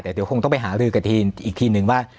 แต่เดี๋ยวคงต้องไปหารือกับทีมอีกทีนึงว่า